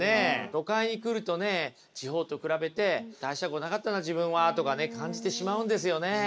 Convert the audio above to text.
都会に来るとね地方と比べて大したことなかったな自分はとかね感じてしまうんですよね。